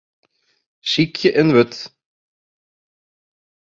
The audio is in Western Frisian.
Sykje in wurd.